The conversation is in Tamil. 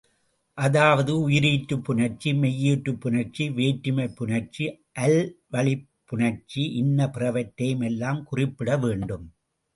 அதாவது உயிரீற்றுப் புணர்ச்சி, மெய்யீற்றுப் புணர்ச்சி, வேற்றுமைப் புணர்ச்சி, அல்வழிப் புணர்ச்சி இன்ன பிறவற்றை எல்லாம் குறிப்பிடவேண்டும்.